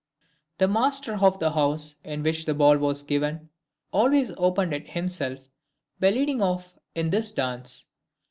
The master of the house in which the ball was given, always opened it himself by leading off in this dance.